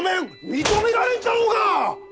認められんじゃろうが！